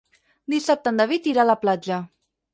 Dissabte en David irà a la platja.